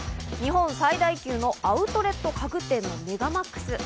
日本最大級のアウトレット家具店・メガマックス。